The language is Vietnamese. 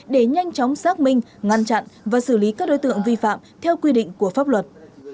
để nhanh chóng xác minh ngăn chặn và xử lý các đối tượng vi phạm theo quy định của pháp luật